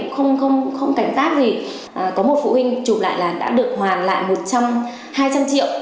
có một phụ huynh chụp lại là đã được hoàn lại hai trăm linh triệu